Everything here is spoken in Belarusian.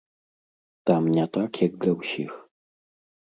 Там не так, як для ўсіх.